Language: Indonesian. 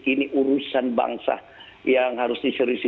ini urusan bangsa yang harus diserisi